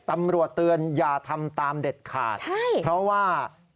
ตำรวจเตือนอย่าทำตามเด็ดขาดเพราะว่าใช่